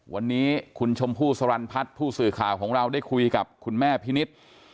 วันนี้คุณชมพู่สรรพัฒน์ผู้สื่อข่าวของเราได้คุยกับคุณแม่พินิษฐ์